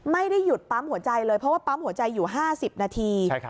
ไม่ได้หยุดปั๊มหัวใจเลยเพราะว่าปั๊มหัวใจอยู่๕๐นาที